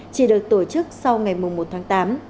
chỉ được tổ chức sau ngày một tháng tám